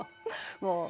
もう。